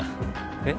えっ？